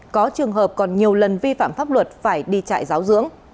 có trường hợp còn nhiều lần vi phạm pháp luật phải đi trại giáo dưỡng